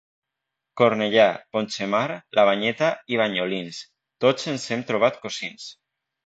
Cornellà, Pont-xetmar, la Banyeta i banyolins, tots ens hem trobat cosins.